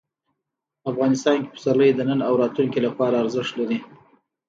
افغانستان کې پسرلی د نن او راتلونکي لپاره ارزښت لري.